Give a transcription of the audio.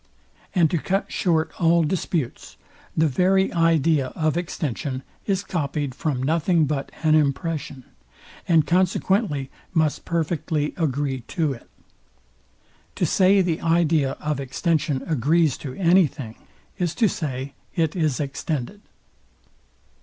And to cut short all disputes, the very idea of extension is copyed from nothing but an impression, and consequently must perfectly agree to it. To say the idea of extension agrees to any thing, is to say it is extended.